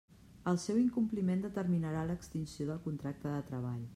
El seu incompliment determinarà l'extinció del contracte de treball.